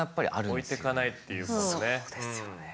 置いてかないっていうことね。